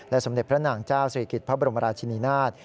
สมเด็จพระนางเจ้าศิริกิจพระบรมราชินินาศ